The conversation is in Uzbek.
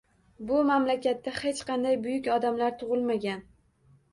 Bu mamlakatda hech qanday buyuk odamlar tug'ilmagan